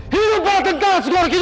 hidup bala kental segor kidul